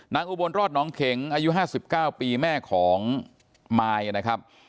อุบลรอดน้องเข็งอายุ๕๙ปีแม่ของมายนะครับ